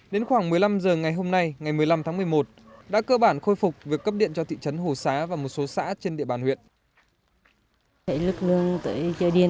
đến khoảng một mươi năm h ngày hôm nay ngày một mươi năm tháng một mươi một đã cơ bản khôi phục việc cấp điện cho thị trấn hồ xá và một số xã trên địa bàn huyện